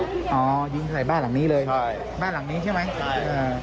อ๋อยิงใส่บ้านหลังนี้เลยใช่บ้านหลังนี้ใช่ไหมใช่อ่า